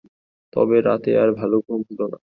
তবে রাতে তাঁর ভালো ঘুম হল না।